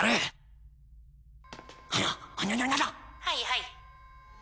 はいはい。